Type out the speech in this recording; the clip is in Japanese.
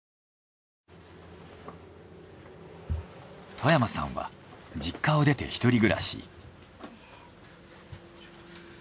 外山さんは実家を出て一人暮らし。